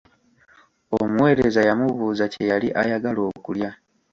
Omuweereza yamubuuza kye yali ayagala okulya.